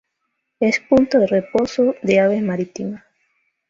Es punto de reposo de aves marítimas.